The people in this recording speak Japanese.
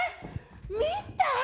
見た？